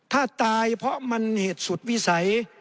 ถ้าตายเพราะมันเหตุสุดวิสัย